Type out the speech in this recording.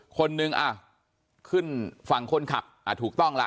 คนหนึ่งอ่ะขึ้นฝั่งคนขับอ่าถูกต้องล่ะ